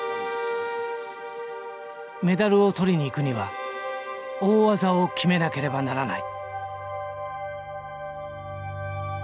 メダルをとりに行くには大技を決めなければならない。